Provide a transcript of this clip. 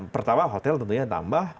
pertama hotel tentunya tambah